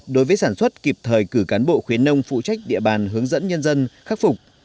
đối với sản xuất kịp thời cử cán bộ khuyến nông phụ trách địa bàn hướng dẫn nhân dân khắc phục